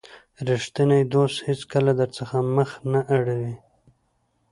رښتینی دوست هیڅکله درڅخه مخ نه اړوي.